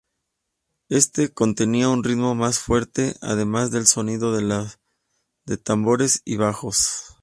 Este contenía un ritmo más fuerte, además del sonido de tambores y bajos.